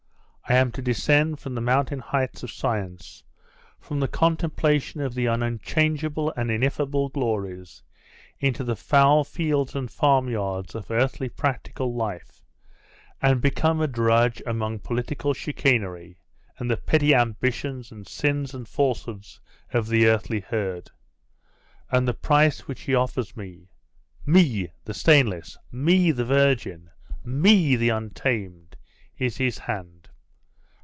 I am to descend from the mountain heights of science, from the contemplation of the unchangeable and ineffable glories, into the foul fields and farmyards of earthly practical life, and become a drudge among political chicanery, and the petty ambitions, and sins, and falsehoods of the earthly herd.... And the price which he offers me me, the stainless me, the virgin me, the un tamed, is his hand!